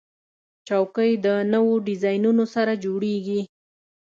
چوکۍ د نوو ډیزاینونو سره جوړیږي.